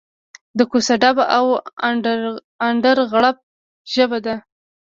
د کوڅه ډب او اندرغړب ژبه ده.